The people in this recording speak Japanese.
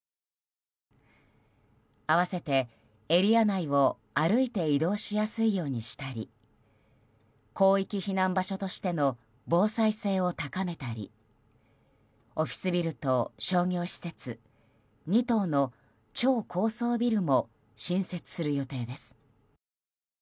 併せて、エリア内を歩いて移動しやすいようにしたり広域避難場所としての防災性を高めたりオフィスビルと商業施設２棟の超高層ビルも新設する予定です。